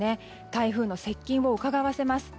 台風の接近をうかがわせます。